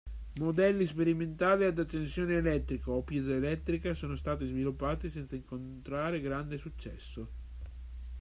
Modelli sperimentali ad accensione elettrica o piezo-elettrica sono stati sviluppati senza incontrare grande successo.